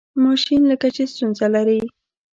ماشین لکه چې ستونزه لري.